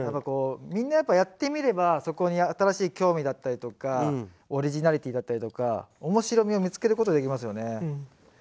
みんなやっぱやってみればそこに新しい興味だったりとかオリジナリティーだったりとか面白みを見つけることできますよね。